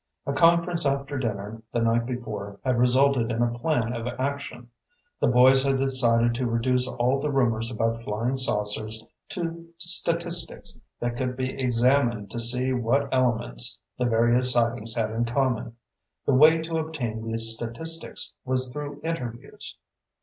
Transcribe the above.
A conference after dinner the night before had resulted in a plan of action. The boys had decided to reduce all the rumors about flying saucers to statistics that could be examined to see what elements the various sightings had in common. The way to obtain the statistics was through interviews.